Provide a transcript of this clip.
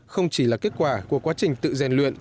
không chỉ là kết quả của quá trình tự rèn luyện